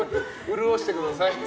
潤してください。